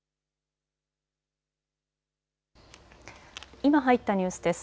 今入ったニュースです。